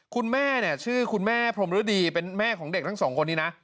คุณแม่เนี่ยชื่อคุณแม่พรมฤดีเป็นแม่ของเด็กทั้งสองคนนี้นะ